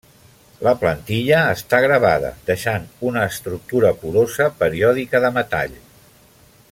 La plantilla està gravada, deixant una estructura porosa periòdica de metall.